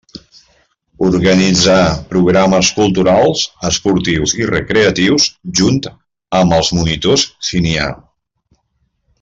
Organitzar programes culturals, esportius i recreatius, junt amb els monitors si n'hi ha.